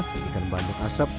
dan ikan bandeng asap sudah matang